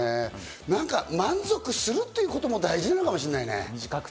満足するということも大事かもしれないね。